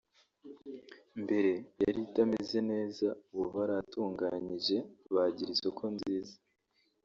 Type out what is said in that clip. mbere yari itameze neza ubu barahatunganyije bahagira isoko nziza